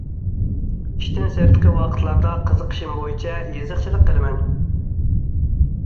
ئىشتىن سىرتقى ۋاقىتلاردا قىزىقىشىم بويىچە يېزىقچىلىق قىلىمەن.